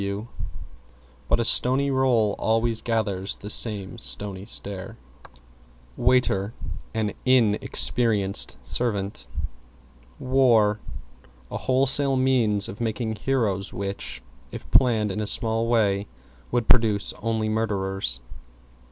W But a stony roll always gathers the stony stare. =WAITER= An Inn experienced servant. =WAR= A wholesale means of making heroes which, if planned in a small way, would produce only murderers.